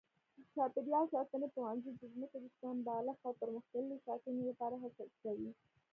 د چاپېریال ساتنې پوهنځی د ځمکې د سمبالښت او پرمختللې ساتنې لپاره هڅې کوي.